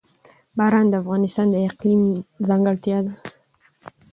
باران د افغانستان د اقلیم ځانګړتیا ده.